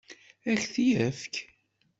Ad k-t-yefk?